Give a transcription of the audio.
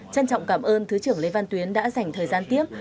trân trọng cảm ơn thứ trưởng lê văn tuyến đã dành thời gian tiếp